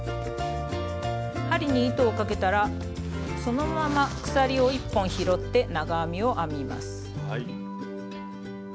針に糸をかけたらそのまま鎖を１本拾って長編みを編みます。